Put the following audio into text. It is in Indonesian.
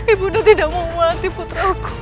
ibu anda tidak mau mati putraku